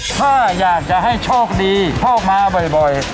ถ้าอยากจะให้โชคดีพ่อมาบ่อย